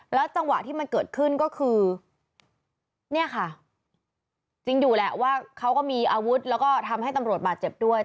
จังหวะที่มันเกิดขึ้นก็คือเนี่ยค่ะจริงอยู่แหละว่าเขาก็มีอาวุธแล้วก็ทำให้ตำรวจบาดเจ็บด้วย